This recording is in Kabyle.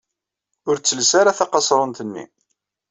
Ur ttelles ara taqaṣrunt-nni!